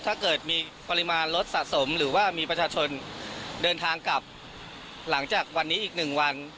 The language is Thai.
ถ้าเกิดมีปริมาณรถสะสมหรือว่ามีประชาชนเดินทางกลับหลังจากวันนี้อีกหนึ่งวัน